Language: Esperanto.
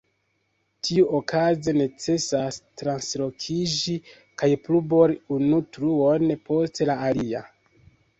Tiuokaze necesas translokiĝi kaj plu bori unu truon post la alia.